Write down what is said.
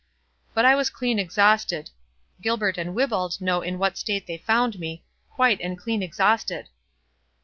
—But I was clean exhausted.—Gilbert and Wibbald know in what state they found me—quite and clean exhausted."